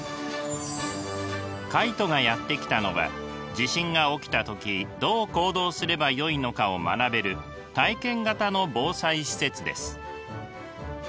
カイトがやって来たのは地震が起きた時どう行動すればよいのかを学べる体験型の防災施設です。